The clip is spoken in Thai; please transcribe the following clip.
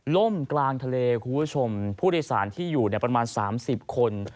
ล่มกลางทะเลคุณผู้ชมผู้โดยสารที่อยู่ประมาณ๓๐คน